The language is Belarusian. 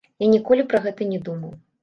Я ніколі пра гэта не думаў.